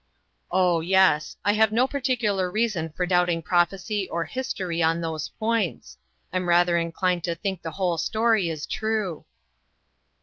" Oh, yes ; I have no particular reason for doubting prophecy or history on those points. I'm rather inclined to think the whole story is true."